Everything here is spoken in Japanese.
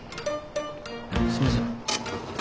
すいません。